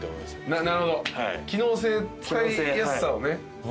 なるほど機能性使いやすさをね。